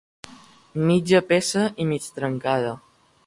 Mitja peça i mig trencada.